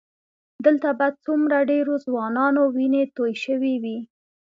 دلته به څومره ډېرو ځوانانو وینې تویې شوې وي.